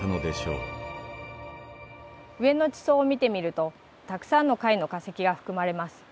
上の地層を見てみるとたくさんの貝の化石が含まれます。